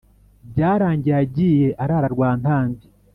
Byarangiye agiye arara rwantambi!